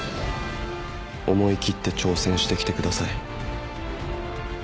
「思い切って挑戦してきてください」